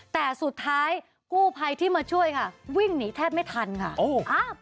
แต่สุดท้ายกู้ภัยที่มาช่วยค่ะวิ่งหนีแทบไม่ทันค่ะ